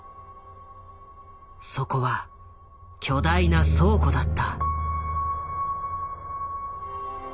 そこは巨大な倉庫だった。